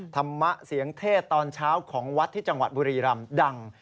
ธรรมะเสียงเทศตอนเช้าของวัดที่จังหวัดบุรีรำดัง